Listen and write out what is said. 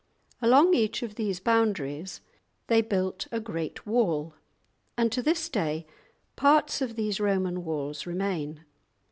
Along each of these boundaries they built a great wall, and to this day parts of these Roman walls remain.